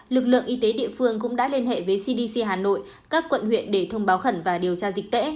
lực lượng y tế địa phương cũng đã liên hệ với cdc hà nội các quận huyện để thông báo khẩn và điều tra dịch tễ